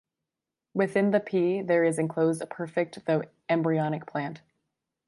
Within the pea, there is enclosed a perfect, though embryonic plant.